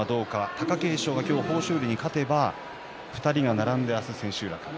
貴景勝は今日、豊昇龍に勝てば２人が並んで明日千秋楽